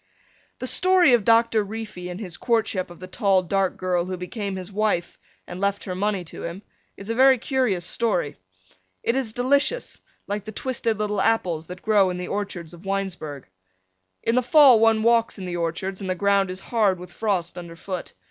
The story of Doctor Reefy and his courtship of the tall dark girl who became his wife and left her money to him is a very curious story. It is delicious, like the twisted little apples that grow in the orchards of Winesburg. In the fall one walks in the orchards and the ground is hard with frost underfoot.